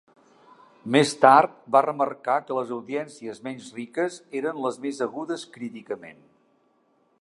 Més tard va remarcar que les audiències menys riques eren les més "agudes críticament".